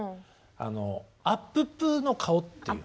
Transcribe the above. アップップーの顔っていう。